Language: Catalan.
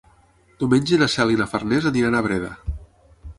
Diumenge na Cel i na Farners aniran a Breda.